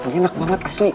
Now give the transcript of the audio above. nggak enak banget asli